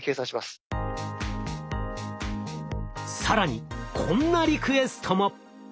更にこんなリクエストも。